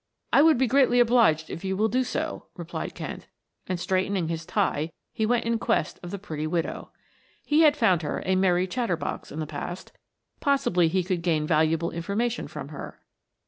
"I will be greatly obliged if you will do so," replied Kent, and straightening his tie, he went in quest of the pretty widow. He had found her a merry chatter box in the past, possibly he could gain valuable information from her.